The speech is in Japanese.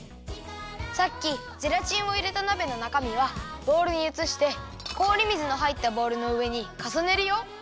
さっきゼラチンをいれたなべのなかみはボウルにうつして氷水のはいったボウルのうえにかさねるよ。